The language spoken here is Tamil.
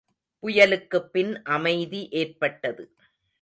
புயலுக்குப் பின் அமைதி ஏற்பட்டது.